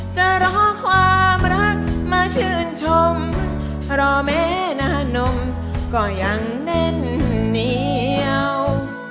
จะรอความรักมาชื่นชมรอแม่นานมก็ยังแน่นเหนียว